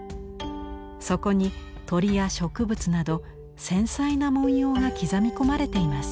そこに鳥や植物など繊細な文様が刻み込まれています。